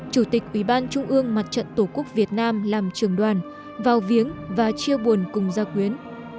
chủ tịch ủy ban trung ương mặt trận tổ quốc việt nam làm trường đoàn vào viếng và chia buồn cùng gia quyến